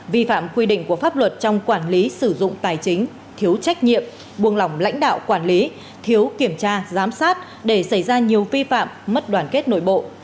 vi phạm quy định của pháp luật trong quản lý sử dụng tài chính thiếu trách nhiệm buông lỏng lãnh đạo quản lý thiếu kiểm tra giám sát để xảy ra nhiều vi phạm mất đoàn kết nội bộ